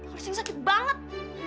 harusnya yang sakit banget